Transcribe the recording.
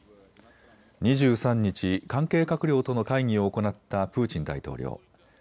２３日、関係閣僚との会議を行ったプーチン大統領。